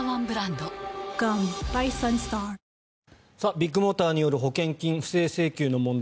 ビッグモーターによる保険金不正請求の問題。